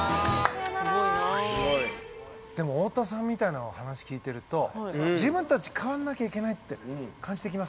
でも太田さんみたいなお話聞いてると自分たち変わんなきゃいけないって感じてきます？